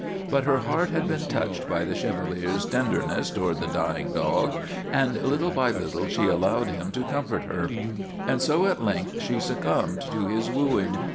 But her heart had been touched by the Chevalier's tenderness toward the dying dog, and little by little she allowed him to comfort her. And so at length she succumbed to his wooing.